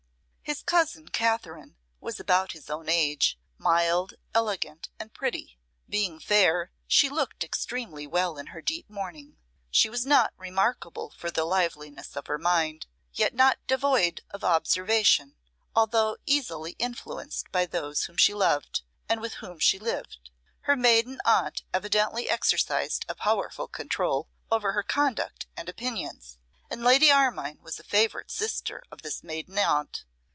His cousin Katherine was about his own age; mild, elegant, and pretty. Being fair, she looked extremely well in her deep mourning. She was not remarkable for the liveliness of her mind, yet not devoid of observation, although easily influenced by those whom she loved, and with whom she lived. Her maiden aunt evidently exercised a powerful control over her conduct and opinions; and Lady Armine was a favourite sister of this maiden aunt.